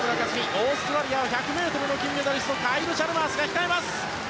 オーストラリアは１００ｍの金メダリストカイル・チャルマースが控えます。